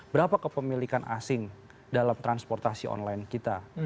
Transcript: berapa kepemilikan asing dalam transportasi online kita